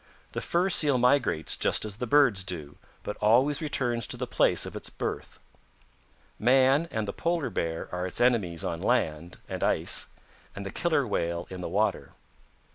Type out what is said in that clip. The Fur Seal migrates just as the birds do, but always returns to the place of its birth. Man and the Polar Bear are its enemies on land and ice, and the Killer Whale in the water.